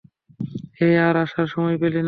হেই, আর আসার সময় পেলি না?